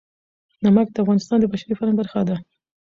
نمک د افغانستان د بشري فرهنګ برخه ده.